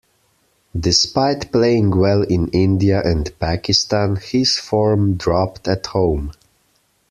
Despite playing well in India and Pakistan, his form dropped at home.